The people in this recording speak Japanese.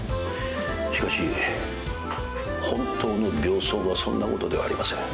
しかし本当の病巣はそんなことではありません。